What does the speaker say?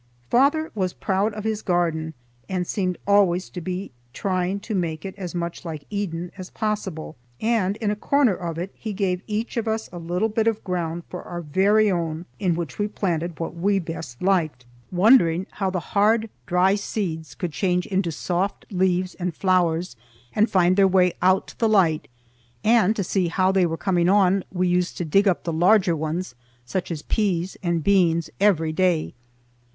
Father was proud of his garden and seemed always to be trying to make it as much like Eden as possible, and in a corner of it he gave each of us a little bit of ground for our very own in which we planted what we best liked, wondering how the hard dry seeds could change into soft leaves and flowers and find their way out to the light; and, to see how they were coming on, we used to dig up the larger ones, such as peas and beans, every day.